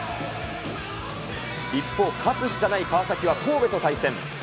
一方、勝つしかない川崎は神戸と対戦。